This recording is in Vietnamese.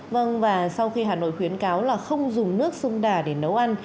vâng và sau khi hà nội khuyến cáo là không dùng nước sông đà để nấu ăn